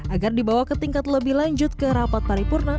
agar dibawa ke tingkat lebih lanjut ke rapat paripurna